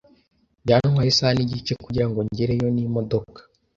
Byantwaye isaha nigice kugirango ngereyo n'imodoka.